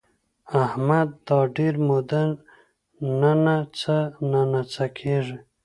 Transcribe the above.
احمد دا ډېره موده ننڅه ننڅه کېږي.